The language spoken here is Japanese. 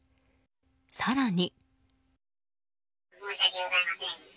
更に。